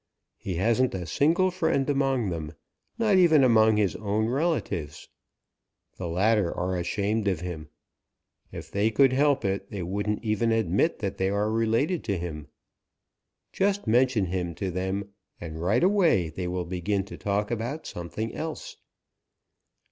He hasn't a single friend among them, not even among his own relatives. The latter are ashamed of him. If they could help it, they wouldn't even admit that they are related to him. Just mention him to them, and right away they will begin to talk about something else.